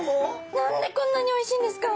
何でこんなにおいしいんですか？